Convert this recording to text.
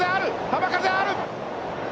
浜風がある！